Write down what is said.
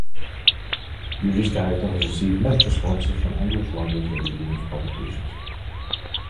Yuri's character has received mixed responses from English-language video games publications.